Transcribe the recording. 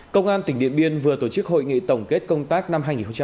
công an tỉnh điện biên vừa tổ chức hội nghị tổng kết công tác năm hai nghìn hai mươi ba